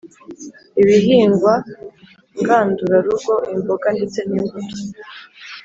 ibihingwa ngandurarugo, imboga ndetse n’imbuto